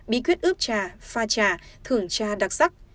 bí quyết ướp trà pha trà thưởng trà đặc sắc